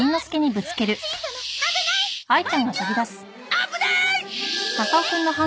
危ない！